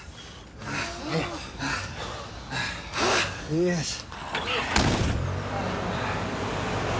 よいしょ。